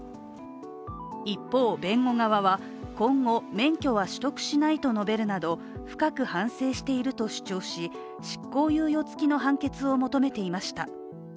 一方、弁護側は、今後免許は取得しないと述べるなど深く反省していると主張し、執行猶予付きの判決を求めていました。